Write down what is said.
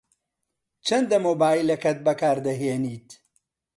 چەندە مۆبایلەکەت بەکار دەهێنیت؟